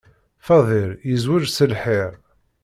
Fadil yezweǧ s lḥir.